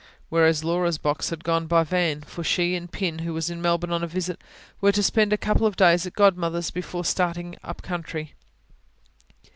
Whereas Laura's box had gone by van: for she and Pin, who was in Melbourne on a visit, were to spend a couple of days at Godmother's before starting up country.